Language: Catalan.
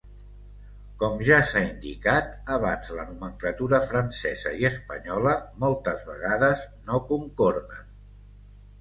Com ja s'ha indicat abans la nomenclatura francesa i espanyola, moltes vegades, no concorden.